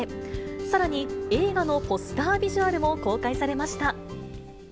さらに、映画のポスタービジュアルも公開されました。